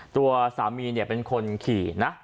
ตัวสามีนเนี่ยเป็นคนขี่นะฮะ